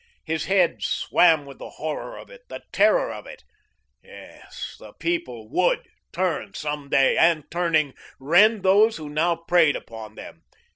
His head swam with the horror of it, the terror of it. Yes, the People WOULD turn some day, and turning, rend those who now preyed upon them.